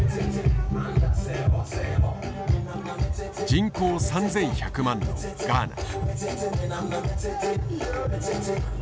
人口３，１００万のガーナ。